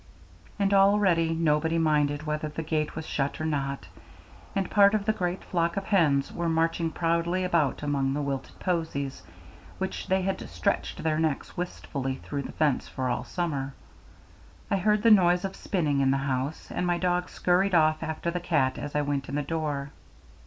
And already nobody minded whether the gate was shut or not, and part of the great flock of hens were marching proudly about among the wilted posies, which they had stretched their necks wistfully through the fence for all summer. I heard the noise of spinning in the house, and my dog scurried off after the cat as I went in the door.